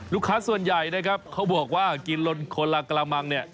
ลูกค้าส่วนใหญ่นะครับเขาบอกว่ากินลนคนละกระมังเนี่ย